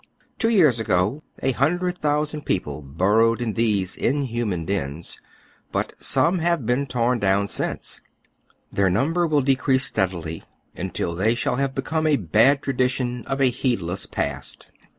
Two years ago a hundred oy Google "WHAT HAS BEEN DONE. thousand people burrowed in these inhuman dena; but some have been torn down since. Their number will. decrease steadily until they shall have become a bad tra dition of a heedless past.